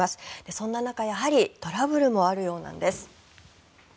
そんな中、やはりトラブルもあるようなんです。